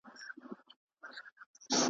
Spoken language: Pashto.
تشه له سرو میو شنه پیاله به وي .